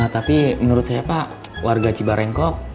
tapi menurut saya pak warga cibarengkok